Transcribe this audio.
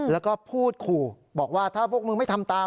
แล้วก็พูดขู่บอกว่าถ้าพวกมึงไม่ทำตาม